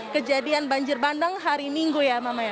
kejadian banjir bandang hari minggu ya mama ya